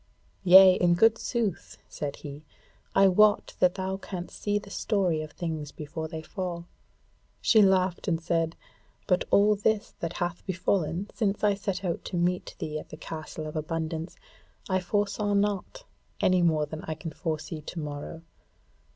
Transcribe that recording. "Yea, in good sooth," said he, "I wot that thou canst see the story of things before they fall." She laughed and said: "But all this that hath befallen since I set out to meet thee at the Castle of Abundance I foresaw not, any more than I can foresee to morrow.